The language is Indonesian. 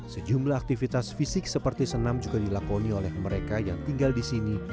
sejumlah aktivitas fisik seperti senam juga dilakoni oleh mereka yang tinggal di sini